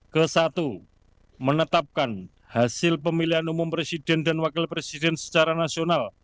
ke satu menetapkan hasil pemilihan umum presiden dan wakil presiden secara nasional